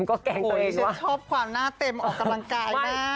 โอ้โหดิฉันชอบความหน้าเต็มออกกำลังกายมาก